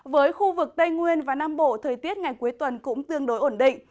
với khu vực tây nguyên và nam bộ thời tiết ngày cuối tuần cũng tương đối ổn định